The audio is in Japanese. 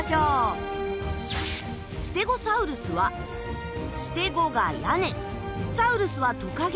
ステゴサウルスはステゴが屋根サウルスはトカゲ。